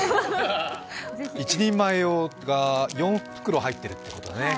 １人前用が４袋入ってるってことね。